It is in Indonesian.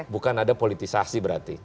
bukan ada politisasi berarti